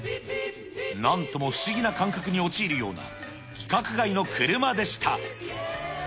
なんとも不思議な感覚に陥るような、規格外の車でした。